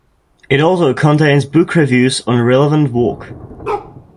It also contains book reviews on relevant work.